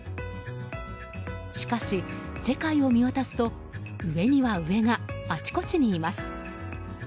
しかし、世界を見渡すと上には上があちこちにいます。